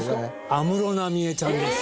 安室奈美恵ちゃんです。